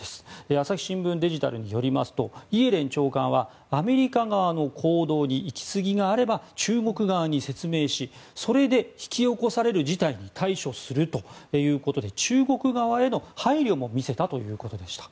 朝日新聞デジタルによりますとイエレン長官はアメリカ側の行動に行き過ぎがあれば中国側に説明しそれで引き起こされる事態に対処するということで中国側への配慮も見せたということでした。